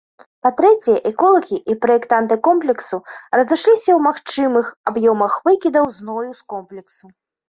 Па-трэцяе, эколагі і праектанты комплексу разышліся ў магчымых аб'ёмах выкідаў гною з комплексу.